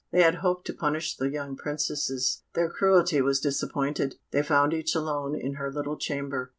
They had hoped to punish the young Princesses: their cruelty was disappointed. They found each alone in her little chamber.